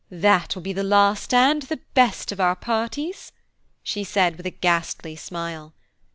That will be the last and the best of our parties," she said with a ghastly smile.